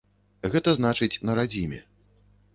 Гэта значыць на радзіме.